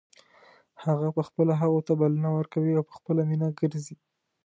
هغه په خپله هغو ته بلنه ورکوي او په خپله مینه ګرځي.